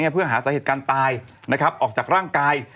เพื่อหาสาเหตุการตายนะครับออกจากร่างกาย